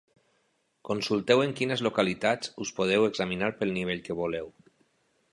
Consulteu en quines localitats us podeu examinar pel nivell que voleu.